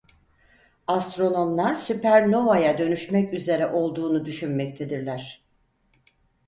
Astronomlar süpernovaya dönüşmek üzere olduğunu düşünmektedirler.